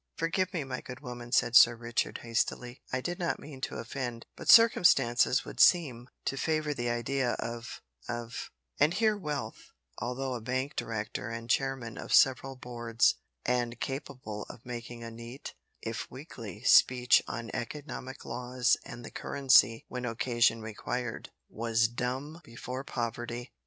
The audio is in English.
"Forgive me, my good woman," said Sir Richard, hastily, "I did not mean to offend, but circumstances would seem to favour the idea of of " And here Wealth although a bank director and chairman of several boards, and capable of making a neat, if weakly, speech on economic laws and the currency when occasion required was dumb before Poverty.